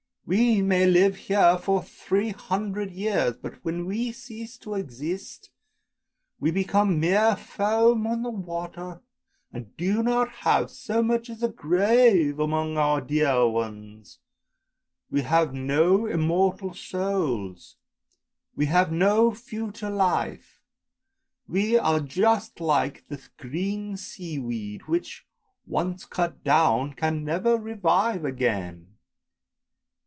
We may live here for three hundred years, but when we cease to exist, we become mere foam on the water and do not have so much as a grave among our dear ones. We have no immortal souls, we have no future life, we are just like the green sea weed, which, once cut down, can never revive again!